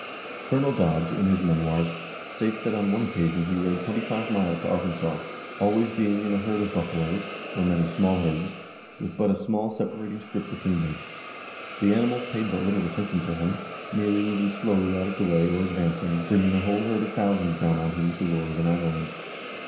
Colonel Dodge, in his memoirs, states that on one occasion he rode twenty five miles in Arkansas, always being in a herd of buffaloes, or many small herds, with but a small separating strip between them. The animals paid but little attention to him, merely moving slowly out of the way or advancing, bringing the whole herd of thousands down on him with the roar of an avalanche.